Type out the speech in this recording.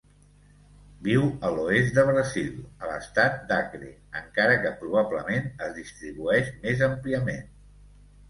Viu a l'oest de Brasil, a l'estat d'Acre, encara que probablement es distribueix més àmpliament.